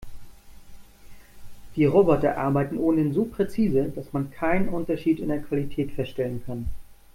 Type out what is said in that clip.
Die Roboter arbeiten ohnehin so präzise, dass man keinen Unterschied in der Qualität feststellen kann.